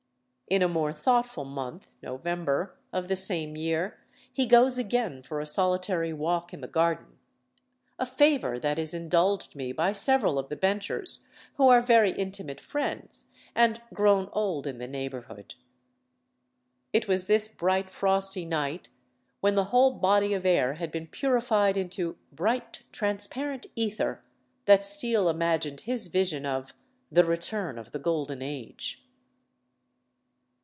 In a more thoughtful month (November) of the same year he goes again for a solitary walk in the garden, "a favour that is indulged me by several of the benchers, who are very intimate friends, and grown old in the neighbourhood." It was this bright frosty night, when the whole body of air had been purified into "bright transparent æther," that Steele imagined his vision of "The Return of the Golden Age."